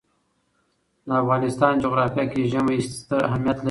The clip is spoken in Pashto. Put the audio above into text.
د افغانستان جغرافیه کې ژمی ستر اهمیت لري.